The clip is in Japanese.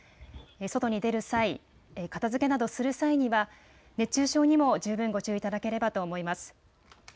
外に出る際、片づけなどする際には熱中症にも十分ご注意いただければと思います。